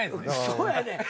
そうやねん。